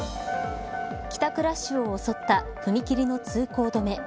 帰宅ラッシュを襲った踏切の通行止め。